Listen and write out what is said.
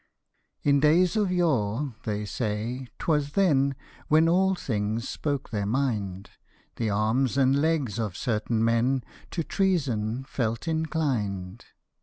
IN days of yore, they say, 'twas then When all things spoke their mind ; The arms and legs of certain men To treason felt inclined.